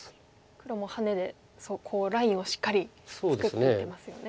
黒もハネでラインをしっかり作っていってますよね。